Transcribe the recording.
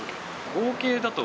合計だと？